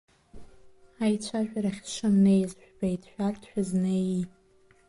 Аиҿцәажәарахь сшымнеиз жәбеит, шәарҭ шәызнеии?